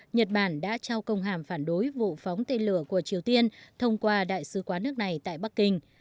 nhật bản đã trao công hàm phản đối vụ phóng tên lửa của triều tiên thông qua đại sứ quán nước này tại bắc kinh